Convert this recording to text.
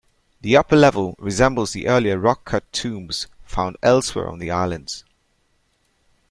The upper level resembles the earlier rock-cut tombs found elsewhere on the Islands.